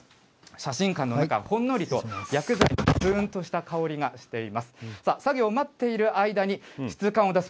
写真館の中、ほんのりと薬剤の、つーんとした香りがしています。